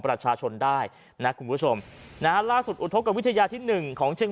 ประชาชนได้นะคุณผู้ชมล่าสุดอุดทบกับวิทยาที่๑ของเชียง